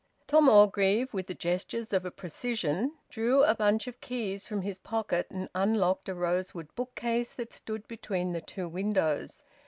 Tom Orgreave, with the gestures of a precisian, drew a bunch of keys from his pocket, and unlocked a rosewood bookcase that stood between the two windows.